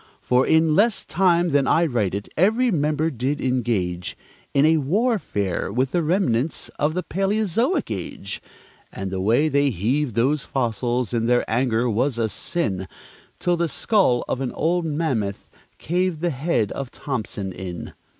For, in less time than I write it, every member did engage In a warfare with the remnants of a palæozoic age; And the way they heaved those fossils in their anger was a sin, Till the skull of an old mammoth caved the head of Thompson in.